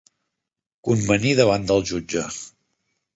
Convenir davant del jutge.